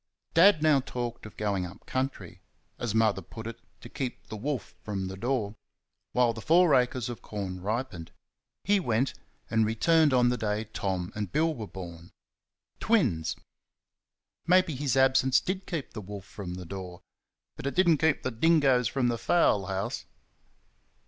Dad now talked of going up country as Mother put it, "to keep the wolf from the door" while the four acres of corn ripened. He went, and returned on the day Tom and Bill were born twins. Maybe his absence did keep the wolf from the door, but it did n't keep the dingoes from the fowl house!